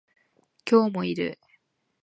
今日もいる